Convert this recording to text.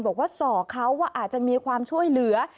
บอกว่าสอกเขาว่าอาจจะมีความช่วยเหลือ